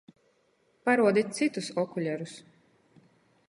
Paruodit cytus okulerus!